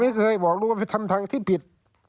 ไม่เคยบอกลูกว่าไปทำทางที่ผิด